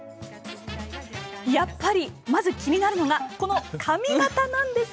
やっぱりまず気になるのがこの髪形なんです。